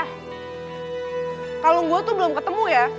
eh kalung gue tuh belum ketemu ya